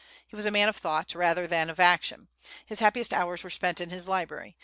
He was a man of thought rather than of action. His happiest hours were spent in his library.